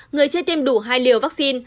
người chưa tiêm đủ hai liều vaccine